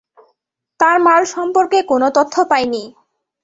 তার মাল সম্পর্কে কোনো তথ্য পাইনি।